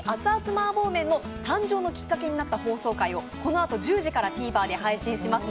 麻婆麺の誕生のきっかけになった放送回をこのあと１０時からＴＶｅｒで放送します。